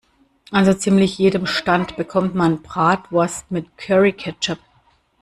An so ziemlich jedem Stand bekommt man Bratwurst mit Curry-Ketchup.